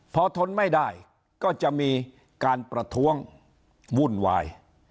พอทนไม่ได้ก็จะมีการประท้วงวุ่นวาย